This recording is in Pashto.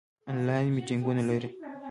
آنلاین میټینګونه لرئ؟